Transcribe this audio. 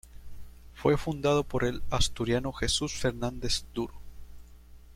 Fue fundado por el asturiano Jesús Fernández Duro.